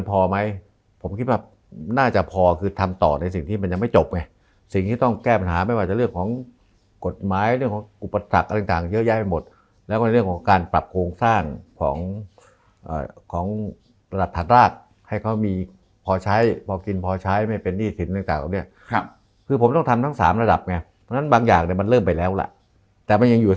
พอไหมผมคิดว่าน่าจะพอคือทำต่อในสิ่งที่มันยังไม่จบไงสิ่งที่ต้องแก้ปัญหาไม่ว่าจะเรื่องของกฎหมายเรื่องของอุปสรรคอะไรต่างเยอะแยะไปหมดแล้วก็ในเรื่องของการปรับโครงสร้างของของระดับถัดรากให้เขามีพอใช้พอกินพอใช้ไม่เป็นหนี้สินต่างตรงนี้ครับคือผมต้องทำทั้งสามระดับไงเพราะฉะนั้นบางอย่างเนี่ยมันเริ่มไปแล้วล่ะแต่มันยังอยู่